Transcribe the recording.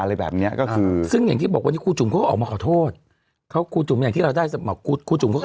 อะไรแบบเนี้ยก็คือซึ่งอย่างที่บอกวันนี้ครูจุ๋มเขาก็ออกมาขอโทษเขาครูจุ๋มอย่างที่เราได้ครูจุ๋มเขาก็